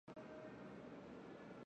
殿试登进士第二甲第七十五名。